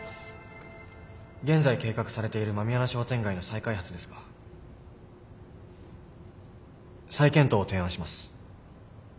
現在計画されている狸穴商店街の再開発ですが再検討を提案します。